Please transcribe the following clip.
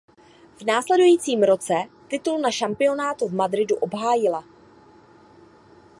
V následujícím roce titul na šampionátu v Madridu obhájila.